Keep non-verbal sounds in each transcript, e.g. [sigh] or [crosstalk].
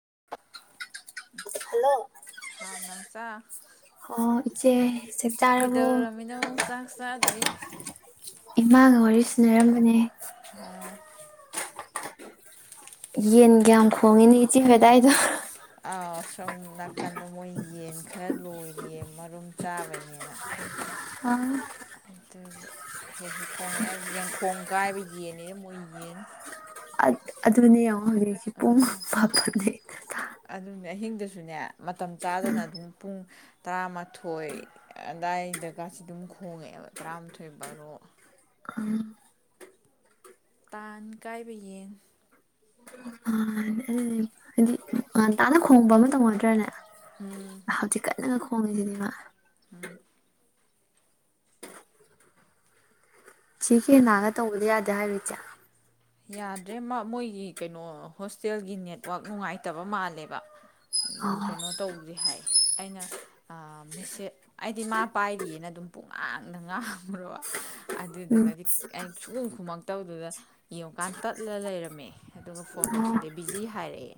ꯍ [unintelligible] ꯍꯥꯎ ꯅꯝꯆꯥ ꯆꯦ ꯀꯩꯗꯧꯔꯝꯃꯤꯅꯣ ꯆꯥꯛ ꯆꯥꯗ꯭ꯔꯤ ꯁꯤꯟꯅꯔꯝꯕꯅꯤ ꯌꯦꯟꯒ ꯌꯥꯝ ꯈꯣꯡꯉꯤꯅꯤ ꯏꯆꯤ ꯑꯗꯥꯥꯏꯗꯣ ꯑꯧ ꯅꯥꯀꯥꯟꯗ ꯃꯣꯏ ꯌꯦꯟ ꯈꯔ ꯂꯣꯏꯔꯤꯌꯦ ꯃꯔꯨꯝ ꯆꯥꯕꯩꯅꯦꯅ ꯎꯝ ꯑꯗꯨ ꯍꯦꯛꯈꯣꯡ ꯌꯦꯡꯈꯣꯡ ꯀꯥꯏꯕ ꯌꯦꯟꯅꯤ ꯃꯣꯏ ꯌꯦꯟꯅꯤ ꯑꯗꯨꯅ ꯌꯥꯎ ꯄꯨꯡ ꯃꯥꯄꯜ ꯗꯩ ꯁꯨꯅꯦ ꯃꯇꯝ ꯆꯥꯗꯅ ꯑꯗꯨꯝ ꯄꯨꯡ ꯇꯔꯥꯃꯥꯊꯣꯏ ꯑꯗꯥꯏꯗꯀꯥꯁꯦ ꯑꯗꯨꯝ ꯈꯣꯡꯉꯛꯦꯕ ꯇꯔꯥꯃꯥꯊꯣꯏ ꯕꯥꯔꯣ ꯇꯥꯟ ꯀꯥꯏꯕ ꯌꯦꯟ ꯃꯅꯦ ꯇꯥꯅ ꯈꯣꯡꯕ ꯑꯃ ꯇꯧꯅꯗ꯭ꯔꯅꯦ ꯍꯧꯖꯤꯛꯀꯥꯟ ꯈꯣꯡꯉꯦꯕꯥ [inaudible] ꯅꯒ ꯇꯧꯕꯗꯣ ꯌꯥꯗꯦ ꯍꯥꯏꯔꯣ ꯏꯆꯦ ꯌꯥꯗ꯭ꯔꯦ ꯃꯣꯏꯒꯤ ꯀꯩꯅꯣ ꯍꯣꯁꯇꯦꯜꯒꯤ ꯅꯦꯠꯋꯥꯛ ꯅꯨꯡꯉꯥꯏꯇꯕ ꯃꯥꯜꯂꯦꯕ ꯑꯣ ꯀꯩꯅꯣ ꯇꯧꯗꯦ ꯍꯥꯏ ꯑꯩꯅ ꯑꯥ ꯃꯦꯁꯦꯁ ꯑꯩꯗꯤ ꯃꯥ ꯄꯥꯏꯔꯤꯅ ꯑꯗꯨꯝ ꯄꯨꯡꯉꯥꯡꯅꯗ ꯉꯥꯡꯉꯨꯔꯕ ꯎꯝ ꯑꯗꯨꯗꯨꯒꯗꯤ ꯑꯩ ꯁꯨꯒꯨꯝ ꯈꯨꯨꯝꯃꯛꯇꯧꯗꯨꯗ ꯌꯦꯡꯉꯨꯀꯥꯟ ꯇꯠꯂ ꯂꯩꯔꯝꯃꯦ ꯑꯗꯨꯒ ꯐꯣꯟ ꯇꯧꯁꯤꯜꯂꯦ ꯎꯝ ꯕꯤꯖꯤ ꯍꯥꯏꯔꯛꯑꯦ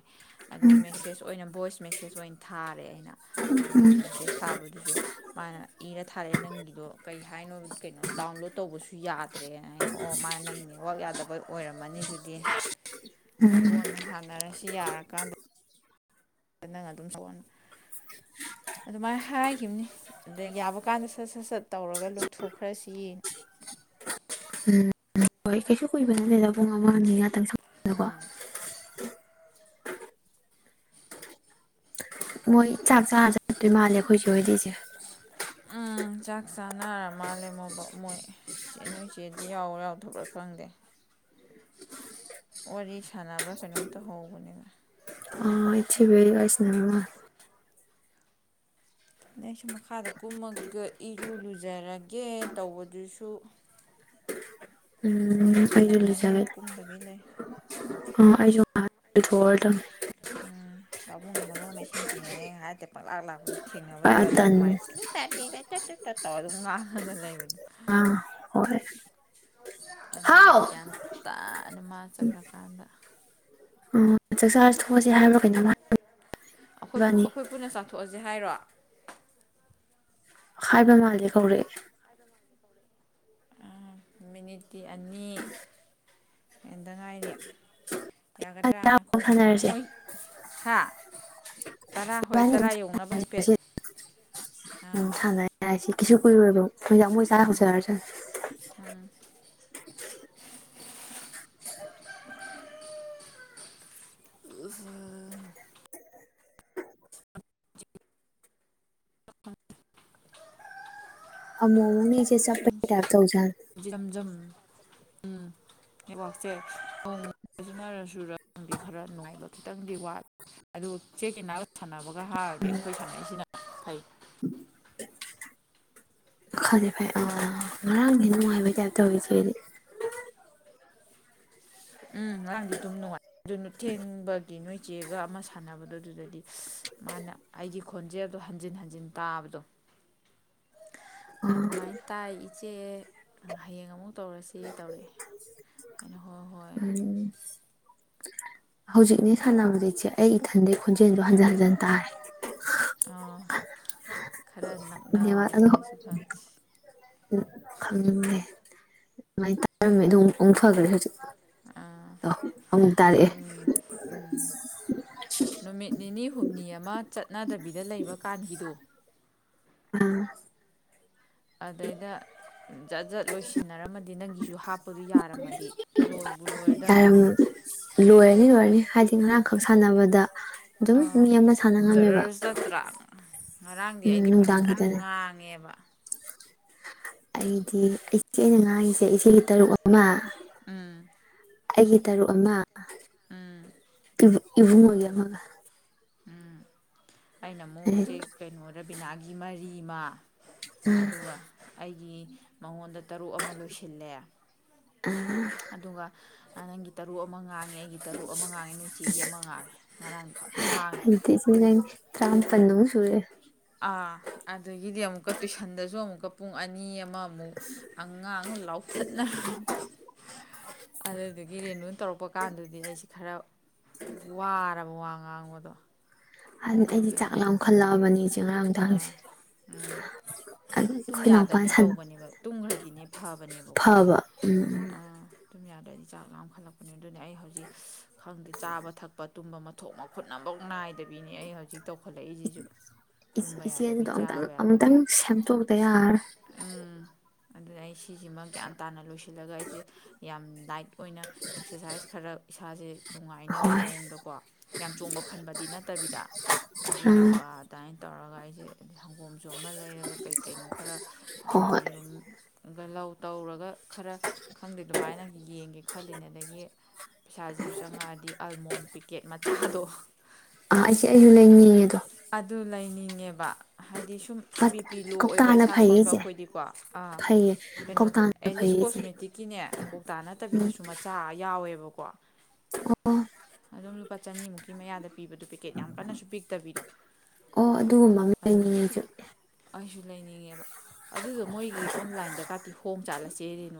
ꯑꯗꯨꯒ ꯃꯦꯁꯦꯖ ꯑꯣꯏꯅ ꯚꯣꯏꯁ ꯃꯦꯁꯦꯁ ꯑꯣꯏꯅ ꯊꯥꯔꯦ ꯑꯩꯅ ꯚꯣꯏꯁ ꯃꯦꯁꯦꯁ ꯊꯥꯕꯗꯨꯁꯨ ꯃꯥꯅ ꯏꯔ ꯊꯥꯔꯛꯑꯦ ꯅꯪꯒꯤꯗꯣ ꯀꯩ ꯍꯥꯏꯅꯣ ꯀꯩꯅꯣ ꯗꯥꯎꯟꯂꯣꯗ ꯇꯧꯕꯁꯨ ꯌꯥꯗꯦ ꯍꯥꯏꯅ ꯑꯣ ꯃꯥ ꯅꯪ ꯅꯦꯠꯋꯥꯛ ꯌꯥꯗꯕ ꯑꯣꯏꯔꯝꯃꯅꯤ ꯑꯗꯨꯗꯤ ꯀꯣꯟꯅ ꯁꯥꯟꯅꯔꯁꯤ ꯌꯥꯔꯀꯥꯟꯗ ꯅꯪ ꯑꯗꯨꯝ ꯁꯣꯛꯍ ꯑꯗꯨꯃꯥꯏꯅ ꯍꯥꯏꯈꯤꯕꯅꯤ ꯑꯗ ꯌꯥꯕ ꯀꯥꯟꯗ ꯁꯠ ꯁꯠ ꯁꯠ ꯇꯧꯔꯒ ꯂꯣꯏꯊꯣꯛꯈ꯭ꯔꯁꯤ ꯍꯣꯏ ꯀꯩꯁꯨ ꯀꯨꯕ ꯅꯠꯇꯦꯗ ꯄꯨꯡ ꯑꯃ ꯑꯅꯤ ꯉꯥꯛꯇꯪ ꯁꯥꯕ [inaudible] ꯃꯣꯏ ꯆꯥꯛ ꯆꯥꯔ ꯆꯛꯇꯣꯏ ꯃꯥꯜꯂꯦ ꯑꯩꯈꯣꯏ ꯏꯆꯦ ꯍꯣꯏꯗꯤ ꯏꯆꯦ ꯎꯝ ꯆꯥꯛ ꯆꯥꯅꯔ ꯃꯥꯜꯂꯦ ꯃꯣꯕ ꯃꯣꯏꯦ ꯅꯣꯏ ꯆꯦꯗꯤ ꯌꯥꯎꯔ ꯌꯥꯎꯗꯥꯕꯔꯥ ꯈꯪꯗꯦ ꯋꯥꯔꯤ ꯁꯥꯟꯅꯕ꯭ꯔꯥ ꯀꯩꯅꯣꯝꯇ ꯍꯧꯕꯅꯦ [inaudible] ꯑꯩꯁꯨ ꯃꯈꯥꯗ ꯀꯨꯝꯃꯒ ꯏꯔꯨ ꯂꯨꯖꯔꯒꯦ ꯇꯧꯕꯗꯨꯁꯨ ꯃꯤ ꯎꯝ ꯑꯩꯁꯨ ꯆꯂꯝꯒꯅꯤ ꯀꯨꯝꯗꯕꯤ ꯂꯩ ꯑꯥ ꯑꯩꯖꯨ ꯂꯨꯊꯣꯑꯥꯗꯧꯕꯅꯦ ꯄꯥꯕꯨꯡꯅ ꯃꯔꯣꯜꯃꯥ ꯏꯁꯤꯡ ꯆꯤꯡꯉꯤꯅꯦꯅꯥ ꯉꯥꯏꯍꯛ ꯂꯩꯇ ꯄꯥꯛꯂꯥꯛ ꯂꯥꯛꯄ ꯊꯦꯡꯅꯥꯕꯥ ꯑ ꯇꯟꯂꯂꯦ ꯇꯟꯂꯦ ꯃꯥꯏ [inaudible] [inaudible] [inaudible] [inaudible] ꯇꯠꯇꯕ ꯑꯗꯨꯝ ꯉꯥꯡꯉꯒ ꯂꯩꯕꯅꯤ ꯑꯥ ꯍꯣꯏ ꯑꯗꯨꯅꯤ ꯍꯥꯎ ꯒꯌ꯭ꯥꯟ ꯃꯥ ꯆꯠꯈꯔꯥꯀꯟꯗꯥ ꯎꯝ ꯆꯥꯛꯆꯥ ꯊꯣꯛꯑꯁꯦ ꯍꯥꯏꯕ꯭ꯔꯥ ꯀꯩꯅꯣꯝ ꯑꯩꯈꯣꯏ ꯍꯥꯏꯕꯅꯤ ꯑꯩꯈꯣꯏ ꯄꯨꯟꯅ ꯆꯥꯊꯣꯛꯑꯁꯦ ꯍꯥꯏꯔꯣ ꯍꯥꯏꯕ ꯃꯥꯜꯂꯦ ꯀꯧꯔꯛꯑꯦ ꯃꯤꯅꯤꯠꯇꯤ ꯑꯅꯤ ꯍꯦꯟꯗ ꯉꯥꯏꯔꯤ ꯌꯥꯒꯗ꯭ꯔꯥ ꯉꯈꯣ ꯁꯥꯟꯅꯔꯁꯦ ꯃꯣꯏ ꯍꯥ ꯇꯔꯥ ꯍꯣꯏ ꯏꯕꯥꯅꯤ ꯇꯔꯥ ꯑꯗꯨꯝ ꯌꯧꯅꯕ ꯍꯥꯏꯐꯦꯠ ꯁꯥꯟꯅꯔꯁꯤ ꯑꯥ ꯀꯁꯨ ꯀꯨꯏꯔꯣꯏꯕ ꯏꯌ ꯃꯣꯏ ꯆꯥꯔ ꯎꯝ ꯍꯧꯖꯔꯥꯁꯅꯨ ꯎꯝ [unintelligible] ꯆꯦꯛ ꯑꯃꯨꯃꯨꯌꯦ ꯆꯦ ꯆꯥꯛ ꯇꯣꯛꯄꯩ ꯇꯥꯞ ꯁꯤꯁꯤꯁꯨ ꯇꯧꯖꯥꯟ ꯖꯝꯖꯝ ꯎꯝ ꯅꯦꯠꯋꯥꯛꯁꯦ ꯄꯥꯎ ꯐꯥꯎꯅꯔꯁꯨ ꯂꯥ ꯏ ꯈꯔ ꯅꯨꯡꯉꯥꯏꯕ ꯈꯤꯇꯪꯗꯤ ꯋꯥꯠꯂꯦ ꯑꯗꯨ ꯆꯦꯛꯒꯤꯅꯥꯒ ꯁꯥꯟꯅꯕ ꯅꯍꯥꯒꯤꯗꯤ ꯑꯩꯈꯣꯏ ꯁꯥꯟꯅꯩꯁꯤꯅ ꯐꯩ ꯐꯔꯦ ꯐꯔꯦ ꯑꯥ ꯉꯔꯥꯡꯗꯤ ꯅꯨꯡꯉꯥꯏꯕꯩ ꯇꯥꯏꯞ ꯇꯧꯋꯤ ꯏꯆꯦ ꯑꯩꯗꯤ ꯎꯝ ꯉꯔꯥꯡꯗꯤ ꯑꯗꯨꯝ ꯅꯨꯡꯉꯥꯏ ꯑꯗꯨ ꯊꯦꯡꯕ ꯅꯣꯏ ꯆꯦꯒ ꯑꯃ ꯁꯥꯟꯅꯕꯗꯣ ꯑꯗꯨꯗꯗꯤ ꯃꯥꯅ ꯑꯩꯒꯤ ꯈꯣꯟꯖꯦꯜꯗꯣ ꯍꯟꯖꯤꯟ ꯍꯟꯖꯤꯟ ꯇꯥꯕꯗꯣ ꯑꯗꯨꯃꯥꯏꯟ ꯇꯥꯏ ꯏꯆꯦ ꯍꯌꯦꯡ ꯑꯃꯨꯛ ꯇꯧꯔꯁꯤ ꯇꯧꯔꯛꯑꯦ ꯍꯥꯏꯅꯧ ꯎꯝ ꯍꯧꯖꯤꯛꯅꯦ ꯁꯥꯟꯅꯕꯁꯦ ꯏꯆꯦ ꯑꯩ ꯏꯊꯟꯗꯩ ꯈꯣꯟꯖꯦꯜꯗꯣ ꯍꯟꯖꯟ ꯍꯟꯖꯟ ꯇꯥꯔꯦ ꯑꯣ ꯈꯔ ꯅꯛꯅꯕꯩꯔꯁꯨ ꯈꯪꯗꯤ ꯈꯪꯅꯤꯡꯉꯦ ꯑꯗꯨꯃꯥꯏꯅ ꯇꯥꯔꯤꯅꯦ ꯑꯗꯨ ꯑꯃꯨꯛ ꯐꯈ꯭ꯔꯦ ꯍꯧꯖꯤꯛ ꯑꯃꯨꯛ ꯎ ꯇꯥꯔꯛꯑꯦ ꯅꯨꯃꯤꯠ ꯅꯤꯅꯤ ꯍꯨꯝꯅꯤ ꯑꯃ ꯆꯠꯅꯗꯕꯤꯗ ꯂꯩꯕ ꯀꯥꯟꯒꯤꯗꯨ ꯑꯗꯨꯗꯩꯗ ꯖꯠ ꯖꯠ ꯂꯣꯏꯁꯤꯟꯅꯔꯝꯃꯗꯤ ꯅꯪꯒꯤꯁꯨ ꯍꯥꯞꯄꯗꯨ ꯌꯥꯔꯝꯃꯗꯤꯂꯣꯏ ꯇꯌꯝ ꯂꯣꯏ ꯑꯅꯤ ꯂꯣꯏꯔꯅꯤ ꯍꯥꯏꯗꯤ ꯉꯔꯥꯡꯈꯛ ꯁꯥꯟꯅꯕꯗ ꯑꯗꯨꯝ ꯑ ꯃꯤ ꯑꯃ ꯁꯥꯟꯅ ꯉꯝꯃꯦꯕ ꯖꯔꯔ ꯆꯇ꯭ꯔꯥ ꯉꯔꯥꯡꯗꯤ ꯎꯝ ꯑꯩꯗꯤ ꯅꯨꯡꯗꯥꯡ ꯐꯖꯅ ꯈꯤꯇꯅꯦ ꯉꯥꯡꯉꯦꯕ ꯑꯩꯗꯤ ꯏꯆꯦ ꯑꯩꯅ ꯉꯥꯡꯉꯤꯁꯦ ꯏꯆꯦꯒꯤ ꯇꯔꯨꯛ ꯑꯃ ꯎꯝ ꯑꯩꯒꯤ ꯇꯔꯨꯛ ꯑꯃ ꯎꯝ ꯏ ꯏꯕꯨꯉꯣꯒꯤ ꯑꯃꯒ ꯑꯩꯅ ꯑꯃꯨꯛ ꯆꯦꯛ ꯀꯩꯅꯣꯕꯤꯅꯥꯒꯤ ꯃꯔꯤ ꯏꯃꯥ ꯑꯗꯨꯒ ꯑꯩ ꯒꯤ ꯃꯉꯣꯟꯗ ꯇꯔꯨꯛ ꯑꯃ ꯂꯣꯏꯁꯤꯜꯂꯦ ꯑꯗꯨꯒ ꯅꯪꯒꯤ ꯇꯔꯨꯛ ꯑꯃ ꯉꯥꯡꯉꯦ ꯑꯩꯒꯤ ꯇꯔꯨꯛ ꯑꯃ ꯉꯥꯡꯉꯦ ꯅꯣꯏꯆꯦꯒꯤ ꯑꯃ ꯉꯥꯡꯉꯦ ꯉꯔꯥꯡ ꯐꯖꯟ ꯉꯥꯡꯉꯤ ꯑꯗꯨꯗꯤ ꯏꯆꯦ [unintelligible] ꯁꯨꯔꯦ ꯑꯥ ꯑꯗꯨꯗꯒꯤꯗꯤ ꯑꯃꯨꯛꯀ ꯇꯨꯏꯁꯟꯗꯁꯨ ꯑꯃꯨꯛꯀ ꯄꯨꯡ ꯑꯅꯤ ꯑꯃ ꯑꯃꯨꯛ ꯑꯉꯥꯡ ꯂꯥꯎꯊꯠꯅꯔꯣꯏꯅꯤ ꯑꯗꯨꯗꯒꯤ ꯔꯦꯅꯨꯅ ꯇꯧꯔꯛꯄ ꯀꯥꯟꯗꯗꯤ ꯑꯩꯁꯤ ꯈꯔ ꯋꯥꯔꯕ ꯋꯥ ꯉꯥꯡꯕꯗꯣ ꯑꯗꯨ ꯑꯗꯨꯒꯤ ꯑꯩꯗꯤ ꯆꯥꯛ ꯑꯩꯅ ꯂꯥꯝꯈꯜꯂꯛꯑꯕꯅꯤ ꯉꯥꯔꯥꯡ ꯅꯨꯡꯗꯥꯡꯁꯦ ꯇꯨꯝ ꯑꯩꯈꯣꯏ ꯏꯅꯧꯄꯋꯥ ꯌꯥꯗꯗꯤ ꯁꯥꯟꯅ ꯇꯧꯕꯅꯦꯕ ꯇꯨꯝꯈ꯭ꯔꯗꯤꯅꯦ ꯐꯕꯅꯦꯕꯀꯣ ꯐꯕ ꯎꯝ ꯎ ꯑꯥ ꯑꯗꯨꯝ ꯌꯥꯗ꯭ꯔ ꯑꯩꯗꯤ ꯆꯥꯛ ꯂꯥꯈꯠꯂꯛꯄꯅꯦ ꯑꯗꯨꯅ ꯑꯩ ꯍꯧꯖꯤꯛ ꯈꯪꯗꯦ ꯆꯥꯕ ꯊꯛꯄ ꯇꯨꯝꯕ ꯃꯊꯣꯛ ꯃꯈꯨꯠ ꯑꯃꯐꯥꯎ ꯅꯥꯏꯗꯕꯤꯅꯤ ꯑꯩ ꯍꯧꯖꯤꯛ ꯇꯧꯈꯠꯂꯛꯏꯁꯤꯁꯨ ꯇꯨꯝꯕ ꯌꯥꯗꯕꯤ ꯏꯆꯦꯁꯤꯗ ꯑꯝꯇꯪ ꯆꯥꯕ ꯌꯥꯗꯕꯤ ꯑꯃꯨꯛꯇꯪ ꯁꯦꯝꯗꯣꯛꯇ ꯌꯥꯔꯥꯔꯣꯢ ꯑꯗꯨ ꯂꯩꯥꯏ ꯁꯤꯁꯤꯃ ꯒ꯭ꯌꯥꯟ ꯇꯥꯅ ꯂꯣꯏꯁꯤꯜꯂꯒ ꯑꯩꯁꯦ ꯌꯥꯝ ꯗꯥꯏꯠ ꯑꯣꯏꯅ ꯑꯦꯛꯁꯔꯁꯥꯏꯁ ꯈꯔ ꯏꯁꯥꯁꯦ ꯅꯨꯡꯉꯥꯏꯅꯕ ꯍꯣꯏ ꯃꯑꯣꯡꯗꯀꯣ ꯌꯥꯝ ꯆꯣꯡꯕ ꯐꯟꯕꯗꯤ ꯅꯠꯇꯕꯤꯗ ꯎꯝ ꯑꯗꯨꯒꯨꯝꯕ ꯇꯧꯔꯒ ꯑꯩꯁꯦ ꯁꯪꯒꯣꯝꯁꯨ ꯑꯃ ꯂꯩꯔꯒ ꯀꯩ ꯀꯩꯅꯣ ꯈꯔ ꯍꯣꯏ ꯍꯣꯏ ꯌꯦꯔꯨꯝ ꯂꯧ ꯇꯧꯔꯒ ꯈꯔ ꯈꯪꯗꯦ ꯑꯗꯨꯃꯥꯏꯅ ꯌꯦꯡꯒꯦ ꯈꯜꯂꯤꯅꯦ ꯑꯗꯒꯤ ꯄꯩꯁꯥꯁꯤꯁꯨ ꯆꯪꯉꯛꯑꯗꯤ ꯑꯜꯃꯣꯟ ꯄꯤꯀꯦꯠ ꯃꯆꯥꯗꯣ ꯑꯥ ꯑꯩꯁꯦ ꯑꯩꯁꯨ ꯂꯩꯅꯤꯡꯉꯦꯗꯣ ꯑꯗꯨ ꯂꯩꯅꯤꯡꯉꯦꯕ ꯍꯥꯏꯗꯤ ꯁꯨꯝ ꯕꯤ ꯄꯤ ꯂꯣ ꯑꯣꯏꯕ ꯀꯧꯇꯥꯅ ꯏꯁꯥ ꯐꯩꯌꯦ ꯁꯣꯟꯕ ꯏꯆꯦ ꯑꯈꯣꯏꯗꯤꯀꯣ ꯑꯥ ꯐꯩꯌꯦ ꯀꯩꯅꯣ ꯀꯧꯇꯥꯅ ꯑꯦꯂꯤꯁ ꯐꯩꯌꯦ ꯏꯆꯦ ꯀꯣꯁꯃꯦꯇꯤꯛꯀꯤꯅꯦ ꯀꯧꯇꯥ ꯎꯝ ꯅꯠꯇꯕꯤꯗꯁꯨ ꯃꯆꯥ ꯌꯥꯎꯋꯦꯕ ꯑꯗꯨꯝ ꯂꯨꯄꯥ ꯆꯅꯤꯃꯨꯛꯀꯤ ꯃꯌꯥꯗ ꯄꯤꯕꯗꯣ ꯄꯦꯛꯀꯦꯠ ꯌꯥꯝ ꯀꯟꯅꯁꯨ ꯄꯤꯛꯇꯕꯤꯗꯣ꯫ ꯑꯣ ꯑꯗꯨꯒ ꯑꯗꯨ [unintelligible] ꯆꯠꯂꯦ ꯑꯩꯁꯨ ꯂꯩꯅꯤꯡꯉꯦꯕ꯫ ꯑꯗꯨꯗꯣ ꯃꯣꯏꯒꯤ ꯑꯣꯟꯂꯥꯏꯟꯗ ꯀꯥꯇꯤ ꯍꯣꯡ ꯖꯥꯠꯂꯁꯤ [unintelligible]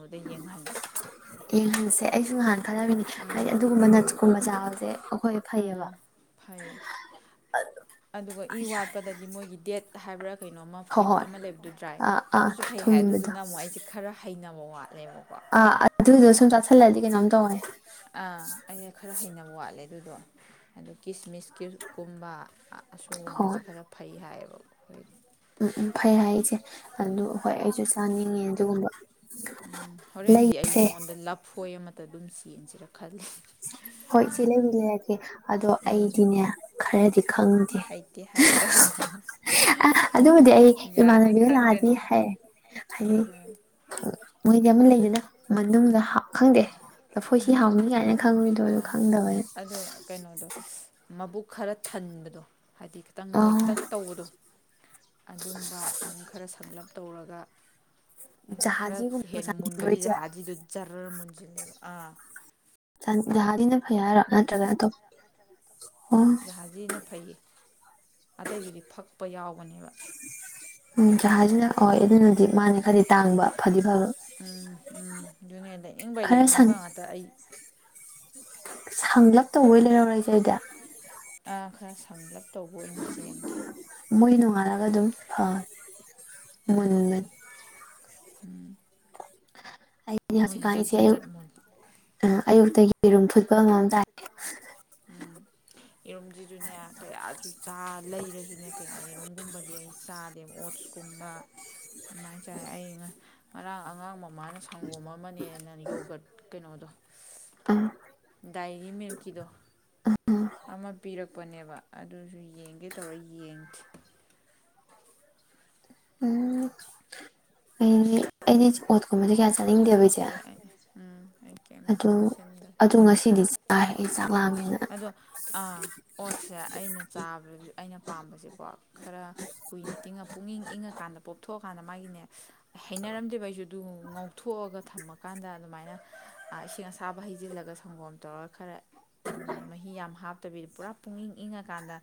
ꯌꯦꯡꯍꯟꯁꯦ ꯑꯩꯁꯨ ꯉꯍꯥꯟ ꯈꯔ ꯍꯥꯏꯗꯤ ꯑꯗꯨꯒꯨꯝꯕ ꯅꯠꯁꯀꯨꯝꯕ ꯆꯥꯕ [unintelligible] ꯎꯝ ꯐꯩ ꯑꯗꯨꯒ ꯏ ꯋꯥꯠꯄꯗꯗꯤ ꯃꯣꯏꯒꯤ ꯗꯦꯠ ꯍꯥꯏꯕ꯭ꯔ ꯀꯩꯅꯣ ꯑꯃ ꯍꯣꯏ ꯐ꯭ꯔꯨꯏꯠ ꯍꯣꯏ ꯑꯃ ꯂꯩꯕꯗꯨ ꯗ꯭ꯔꯥꯏ ꯑꯥ ꯑꯥ ꯑꯗꯨꯁꯨ ꯐꯩ ꯍꯥꯏ ꯊꯨꯝꯕꯗꯣ ꯑꯗꯨꯗꯨꯅ ꯑꯃꯨꯛ ꯑꯩꯁꯦ ꯈꯔ ꯍꯩꯅ [unintelligible] ꯑꯥ ꯑꯗꯨꯗꯣ ꯁꯨꯝ ꯆꯥ ꯁꯜꯂꯗꯤ ꯀꯩꯅꯣꯝ ꯇꯧꯋꯦ꯫ ꯑꯥ ꯑꯩ ꯈꯔ ꯍꯩꯅꯕ ꯋꯥꯠꯂꯦ ꯑꯗꯨꯗꯣ ꯑꯗꯨ ꯀꯤꯁꯃꯤꯁ ꯃꯤꯔꯨꯛ ꯀꯨꯝꯕ ꯑꯁꯨꯒꯨꯝꯕꯁꯦ ꯍꯣꯏ ꯈꯔ ꯐꯩ ꯍꯥꯏꯌꯦꯕ ꯑꯩ ꯎꯝ ꯎꯝ ꯐꯩ ꯍꯥꯏ ꯏꯆꯦ ꯑꯗꯨ ꯍꯣꯏ ꯑꯩꯁꯨ ꯆꯥꯅꯤꯡꯉꯦ ꯑꯗꯨꯒꯨꯝꯕ ꯎꯝ ꯍꯣꯔꯦꯟꯗꯤ ꯑꯩ ꯂꯩꯁꯦ ꯅꯪꯉꯣꯟꯗ ꯂꯞꯐꯣꯏ ꯑꯃꯥ ꯇꯥꯗꯨꯝ ꯌꯦꯟꯁꯤꯔꯛꯄ ꯍꯣꯏ ꯏꯆꯦ ꯂꯩꯕꯤ ꯂꯩꯔꯀꯦ ꯑꯗꯣ ꯑꯩꯗꯤꯅꯦ ꯈꯔꯗꯤ ꯈꯪꯗꯦ ꯍꯩꯇꯦ ꯍꯥꯏꯗꯣꯏꯔꯥ ꯑ ꯑꯗꯨꯕꯨꯗꯤ ꯑꯩ ꯌꯥꯅꯤ ꯏꯃꯥꯟꯅꯕꯤꯗ ꯂꯥꯛꯑꯅꯤ ꯈꯪꯒꯅꯤ ꯍꯥꯏ ꯍꯥꯏꯗꯤ ꯃꯣꯏꯗꯤ ꯑꯃ ꯂꯩꯗꯅ ꯃꯅꯨꯡꯗ ꯈꯪꯗꯦ ꯂꯐꯣꯏ [inaudible] ꯑ ꯑꯗꯨ ꯈꯪꯗꯕꯅꯤꯅ ꯑꯗꯨꯣ ꯀꯩꯅꯣꯗꯣ ꯃꯕꯨꯛ ꯈꯔ ꯊꯟꯕꯗꯣ ꯍꯥꯏꯗꯤ ꯈꯤꯇꯪ ꯑꯣ ꯅꯣꯏꯇꯛ ꯇꯧꯕꯗꯣ ꯑꯗꯨꯝꯕ ꯑꯗꯨꯝ ꯈꯔ ꯁꯂꯝꯞ ꯇꯧꯔꯒ ꯑꯗ ꯈꯔ ꯖꯍꯥꯖꯤꯒꯨꯝꯕ ꯍꯦꯟꯅ ꯆꯥꯅꯤꯡꯕ꯭ꯔꯣ ꯃꯨꯟꯕꯗꯤ ꯏꯆꯦ ꯖꯍꯥꯗꯨ ꯖꯔꯔ ꯃꯨꯟꯁꯤꯜꯂꯦꯕ ꯑꯥ [unintelligible] ꯐꯩ ꯍꯥꯢꯔꯣ ꯅꯇ꯭ꯔꯒꯅ ꯑꯇꯣ [inaudible] ꯖꯍꯥꯖꯤꯅ ꯐꯩꯌꯦ꯫ ꯑꯇꯩꯗꯨꯗꯤ ꯐꯛꯄ ꯌꯥꯎꯕꯅꯦꯕ꯫ ꯎꯝ ꯖꯍꯥꯖꯤꯅ ꯑꯣꯏ ꯑꯗꯨꯅꯗꯤ ꯃꯥꯗꯤ ꯈꯔꯗꯤ ꯇꯥꯡꯕ ꯐꯗꯤ ꯐꯕ ꯎꯝ ꯎꯝ ꯑꯗꯨꯅꯦ ꯂꯩꯅꯤꯡꯕ ꯈꯔ ꯁꯪ ꯂꯩꯅꯤꯡꯕ ꯉꯥꯛꯇ ꯑꯩ꯫ ꯁꯪꯂꯞ ꯇꯧꯕ ꯑꯣꯏꯅ ꯂꯩꯔꯛꯎꯔ ꯑꯩꯗꯤ ꯑꯥ ꯈꯔ ꯁꯪꯂꯞ ꯇꯧꯕ ꯑꯣꯏꯅ ꯆꯦꯟꯈꯤ꯫ ꯃꯣꯏ ꯅꯣꯡꯉꯥꯜꯂꯒ ꯑꯗꯨꯝ ꯐ [unintelligible] ꯑꯩꯗꯤ ꯍꯧꯖꯤꯛ ꯃꯣꯏꯗꯤ ꯖꯠ ꯏꯆꯦ ꯖꯠ ꯑꯌꯨꯛ ꯖꯠ ꯃꯨꯜꯂꯤ ꯑꯥ ꯑꯌꯨꯛꯇꯒꯤ ꯌꯦꯔꯨꯝ ꯐꯨꯠꯄ ꯑꯃꯝ [unintelligible] ꯌꯦꯔꯨꯝꯖꯤꯖꯨꯅꯦ ꯀꯌꯥꯖꯨ ꯆꯥ ꯂꯩꯔꯖꯨꯅꯦ ꯀꯌꯥ ꯌꯦꯔꯨꯝꯒꯨꯝꯕꯗꯤ ꯑꯩ ꯆꯥꯗꯦꯕ ꯑꯣꯠꯁꯀꯨꯝꯕ ꯑꯗꯨꯃꯥꯏꯅ ꯆꯥꯏ ꯑꯩ ꯉꯔꯥꯡ ꯑꯉꯥꯡ ꯃꯃꯥꯅ ꯁꯪꯒꯣꯝ ꯑꯃꯅꯦꯅ ꯌꯣꯒ ꯀꯩꯅꯣꯗꯣ ꯎꯝ꯫ ꯗꯥꯏꯔꯤ ꯃꯤꯜꯛꯀꯤꯗꯣ ꯑꯃ ꯄꯤꯔꯛꯄꯅꯦꯕ ꯑꯗꯨꯖꯨ ꯌꯦꯡꯒꯦ ꯇꯧꯔ ꯌꯦꯡꯗꯤ꯫ ꯎꯝ ꯑꯩꯗꯤ ꯑꯩꯗꯤ ꯑꯣꯠ ꯀꯨꯝꯕꯗꯤ ꯀꯌꯥ ꯆꯥꯅꯤꯡꯗꯦꯕ ꯏꯆꯦ ꯊꯛꯇ꯭ꯔꯦ ꯑꯩ ꯎꯝ ꯑꯩꯀꯦꯝ ꯆꯥꯁꯤꯟꯗ꯭ꯔꯦ ꯫ ꯍꯥꯏ꯫ ꯑꯗꯣ ꯑ ꯑꯣꯠ ꯁꯦ ꯑꯩꯅ ꯆꯥꯕꯖ ꯑꯩꯅ ꯄꯥꯝꯕꯁꯦꯀꯣ ꯈꯔ ꯀꯨꯏꯅ ꯇꯤꯡꯉ ꯄꯨꯨꯡ ꯏꯪ ꯏꯪꯉꯀꯥꯟꯗ ꯄꯣꯞꯊꯣꯛꯑꯀꯥꯟꯗ ꯃꯥꯒꯤꯅꯦ ꯍꯩꯅꯔꯝꯗꯦꯕ ꯑꯩꯁꯨ꯫ ꯑꯗꯨ ꯉꯧꯊꯣꯛꯑꯒ ꯊꯝꯃꯀꯥꯟꯗ ꯑꯗꯨꯃꯥꯏꯅ ꯑꯥ ꯏꯁꯤꯡ ꯑꯁꯥꯕ ꯍꯩꯖꯤꯜꯂꯒ ꯁꯪꯒꯣꯝ ꯇꯧꯔꯒ ꯈꯔ ꯅꯠꯇꯕꯤꯗꯨ ꯄꯨꯔꯥ ꯄꯨꯛ ꯏꯪ ꯏꯪꯉꯀꯥꯟꯗ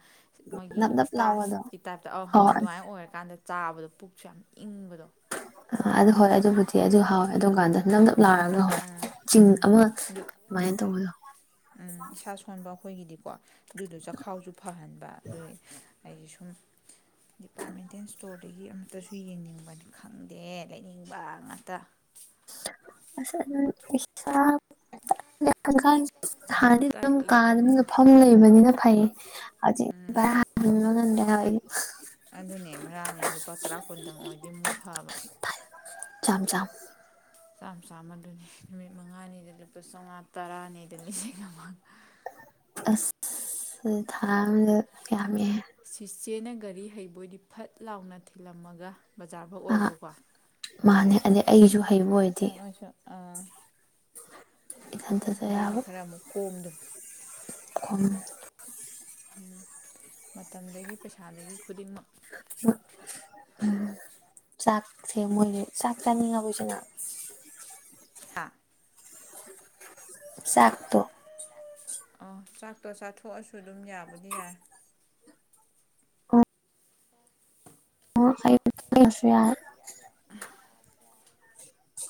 ꯃꯣꯏꯒꯤ ꯅꯞ ꯅꯞ ꯂꯥꯎꯕꯗꯣ ꯏ꯭ꯁꯇꯥꯁꯀꯤ ꯇꯥꯏꯞꯇ ꯑꯧ ꯍꯣ ꯍꯣꯏ ꯑꯗꯨꯃꯥꯏꯅ ꯑꯣꯏꯔꯀꯥꯟꯗ ꯆꯥꯕꯗ ꯄꯨꯛꯁꯦ ꯌꯥꯝ ꯏꯪꯕꯗꯣ꯫ ꯑ ꯑꯗꯨ ꯍꯣꯏ ꯑꯗꯨꯕꯨꯗꯤ ꯑꯗꯨ ꯍꯥꯎꯋ ꯑꯗꯨ ꯀꯥꯟꯗ ꯅꯞ ꯅꯞ ꯂꯥꯎꯔꯒ ꯍꯣꯏ ꯆꯤꯡ ꯎꯝ ꯑꯃ ꯑꯗꯨ ꯀꯃꯥꯏꯅ ꯇꯧꯕꯗꯣ ꯎꯝ ꯏꯁꯥ ꯁꯣꯟꯕꯑ ꯑꯩꯈꯣꯏꯒꯤꯗꯤꯀꯣ ꯑꯗꯨꯗꯣ ꯆꯈꯥꯎꯁꯨ ꯐꯍꯟꯕ ꯑꯗꯨꯏ ꯑꯩꯁ ꯁꯨꯝ ꯗꯤꯄꯥ꯭ꯔꯠꯃꯦꯟꯇꯦꯟ ꯏ꯭ꯁꯇꯣꯔꯗꯒꯤ ꯑꯃꯇꯁꯨ ꯌꯦꯅꯤꯡꯕꯅꯤ ꯈꯪꯗꯦ ꯂꯩꯅꯤꯡꯕ ꯉꯥꯛꯇ꯫ ꯑ ꯑ [inaudible] ꯍꯥꯟꯗꯤ ꯗꯨꯝ ꯇꯠꯂꯦ ꯀꯥ ꯑꯗꯨꯅꯦ ꯃꯅꯨꯡꯅ ꯆꯐꯝ ꯂꯩꯕꯅꯤꯅ ꯐꯩꯌꯦ ꯍꯧꯖꯤꯛ ꯑꯗꯨꯅꯦ ꯚꯔꯥꯅꯦ ꯂꯨꯄꯥ ꯇꯔꯥ ꯀꯨꯟꯗꯪ ꯑꯣꯏꯔꯗꯤ ꯑꯃꯨꯛ ꯐꯕ [inaudible] ꯆꯥꯝ ꯆꯥꯝ ꯆꯥꯝ ꯆꯥꯝ ꯃꯗꯨꯅꯤ ꯅꯨꯃꯤꯠ ꯃꯉꯥꯅꯤꯗ ꯂꯨꯄꯥ ꯆꯝꯉꯥ ꯇꯔꯥꯅꯤꯗ ꯂꯤꯁꯤꯡ ꯑꯃ ꯗꯨꯗꯤ ꯊꯥ ꯑꯃꯗ ꯌꯥꯝꯃꯤꯍꯦ꯫ ꯁꯤꯆꯦꯅ ꯒꯥꯔꯤ ꯍꯩꯕꯣꯏꯗꯤ ꯐꯠ ꯂꯥꯎꯅ ꯊꯤꯜꯂꯝꯃꯒ ꯕꯖꯥꯔꯐꯥꯎ ꯑꯥ ꯑꯣꯏꯔꯁꯨꯀꯣ ꯃꯥꯅꯦ ꯑꯗꯩ ꯑꯩꯖꯨ ꯍꯩꯕ ꯑꯣꯏꯗꯤ ꯈꯤꯇꯪ ꯑꯥ ꯏꯊꯟꯇ ꯆꯠ ꯆꯥ ꯑꯗꯨꯑꯣꯏꯗꯤ ꯌꯥꯕ ꯈꯔ ꯑꯃꯨꯛ ꯀꯣꯝꯗꯨ [unintelligible] ꯎꯝ ꯃꯇꯝꯗꯒꯤ ꯄꯩꯁꯥꯗꯒꯤ ꯈꯨꯗꯤꯡꯃꯛ ꯎꯝ ꯆꯥꯛꯁꯦ ꯃꯣꯏꯒꯤ ꯆꯥꯛ ꯆꯥꯅꯤꯡꯉꯕꯣ ꯏꯆꯦ ꯅꯪ ꯍꯥ ꯆꯥꯛꯇꯣ ꯑꯣ ꯆꯥꯛꯇꯣ ꯆꯥꯊꯣꯛꯑꯁ ꯁꯨ ꯑꯗꯨꯝ ꯌꯥꯕꯨꯗꯤ ꯌꯥꯏ꯫ ꯑꯣ [unintelligible] ꯌꯥ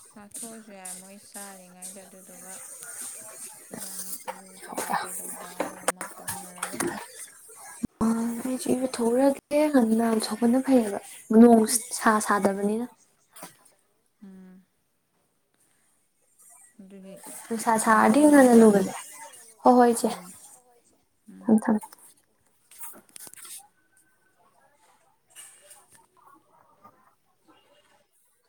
ꯆꯥꯊꯣꯛꯑꯁꯨ ꯌꯥꯏ ꯃꯣꯏꯁ ꯇꯥꯔꯤꯉꯩꯗ ꯑꯗꯨꯗꯨꯒ [inaudible] ꯏꯕꯥꯅꯤ ꯏꯔꯨꯖꯕ ꯀꯩꯗꯧꯕ ꯑꯃ ꯑꯃ ꯇꯧꯅꯔꯒ [inaudible] [unintelligible] [unintelligible] ꯁꯣꯛꯄꯅ ꯐꯩ ꯑꯕ ꯅꯣꯡ ꯁꯥ ꯎꯝ ꯁꯥꯗꯕꯅꯤꯅ꯫ ꯎꯝ ꯑꯗꯨꯗꯤ ꯅꯨꯡꯁꯥ ꯁꯥꯔꯗꯤ ꯊꯝꯃꯒꯦ ꯉꯟꯅ ꯅꯥꯎꯆꯥ ꯂꯨꯕꯅꯦ ꯍꯣ ꯍꯣꯏ ꯏꯆꯦ ꯎꯝ ꯎꯝ ꯊꯝꯃꯦ ꯊꯝꯃꯦ꯫ [inaudible]